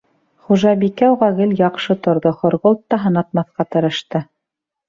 Хужабикә уға гел яҡшы торҙо, Һорғолт та һынатмаҫҡа тырышты.